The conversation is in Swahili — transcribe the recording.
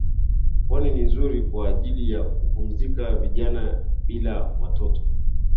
Pwani ni nzuri kwa ajili ya kupumzika vijana bila watoto